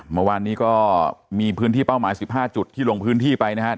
เมื่อวานนี้ก็มีพื้นที่เป้าหมาย๑๕จุดที่ลงพื้นที่ไปนะครับ